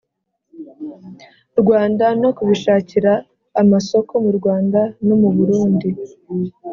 Rwanda no kubishakira amasoko mu Rwanda no muburundi